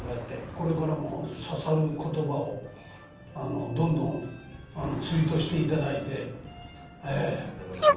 これからも刺さる言葉をどんどんツイートしていただいて。